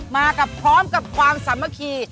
มากับพร้อมกับความสามัคคี